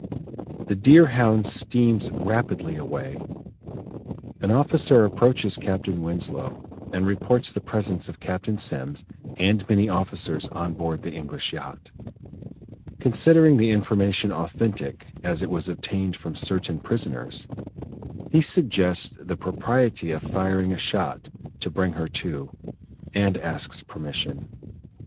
The Deerhound steams rapidly away. An officer approaches Captain Winslow and reports the presence of Captain Semmes and many officers on board the English yacht, considering the information authentic as it was obtained from certain prisoners; he suggests the propriety of firing a shot to bring her to, and asks permission.